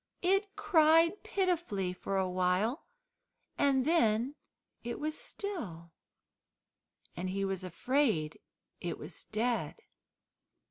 It cried pitifully for a while, and then it was still, and he was afraid it was dead.